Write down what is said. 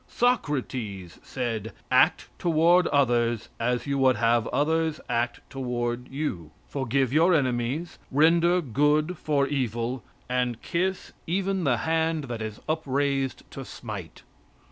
Socrates said: "Act toward others as you would have others act toward you. Forgive your enemies, render good for evil, and kiss even the hand that is upraised to smite."